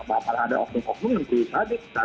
apalagi ada oknum oknum yang berusaha